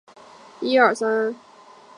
象形茧只能适用于法老。